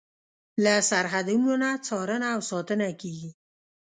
له سرحدونو نه څارنه او ساتنه کیږي.